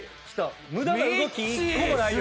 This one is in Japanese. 無駄な動き１個もないよ。